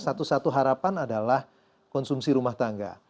satu satu harapan adalah konsumsi rumah tangga